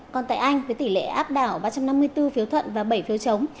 còn tại anh với tỷ lệ áp đảo ba trăm năm mươi bốn phiếu thuận và bảy phiếu chống